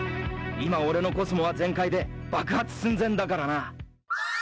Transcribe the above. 「今俺の小宇宙は全開で爆発寸前だからな」